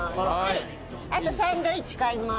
あとサンドイッチ買います。